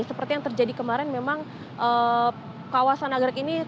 seperti yang terjadi kemarin memang kawasan nagrek ini